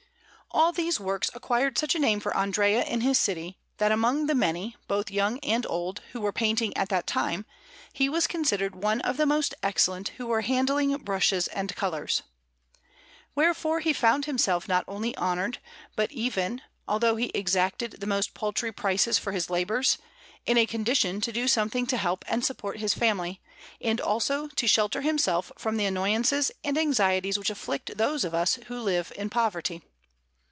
All these works acquired such a name for Andrea in his city, that among the many, both young and old, who were painting at that time, he was considered one of the most excellent who were handling brushes and colours. Wherefore he found himself not only honoured, but even, although he exacted the most paltry prices for his labours, in a condition to do something to help and support his family, and also to shelter himself from the annoyances and anxieties which afflict those of us who live in poverty.